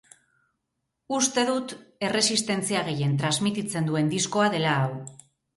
Uste dut erresistentzia gehien trasmititzen duen diskoa dela hau.